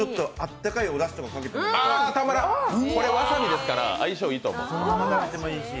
たまらん、これわさびですから相性いいと思う。